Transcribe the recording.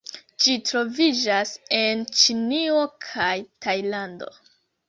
Ĝi troviĝas en Ĉinio kaj Tajlando.